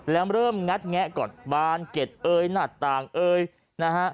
แล้วเริ่มงัดแงะก่อนบานเก็ตเอยหน้าต่างเอ่ยนะฮะ